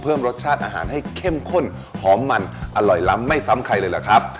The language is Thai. เพิ่มรสชาติอาหารให้เข้มข้นหอมมันอร่อยล้ำไม่ซ้ำใครเลยเหรอครับ